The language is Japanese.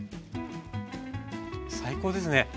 最高ですね。